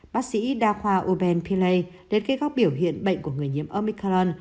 bác sĩ đa khoa uben pillay đến kết góc biểu hiện bệnh của người nhiễm omicron